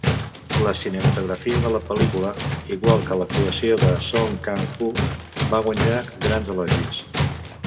La cinematografia de la pel·lícula, igual que l'actuació de Song Kang-ho, va guanyar grans elogis.